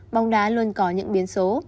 bóng đá luôn có những biến số